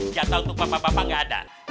jatah untuk bapak bapak nggak ada